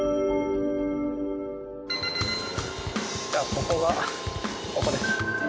ここがここです。